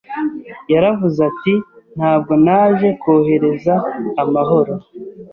Yaravuze ati ntabwo naje kohereza amahoro